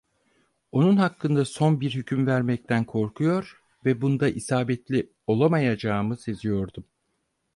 Onun hakkında son bir hüküm vermekten korkuyor ve bunda isabetli olamayacağımı seziyordum.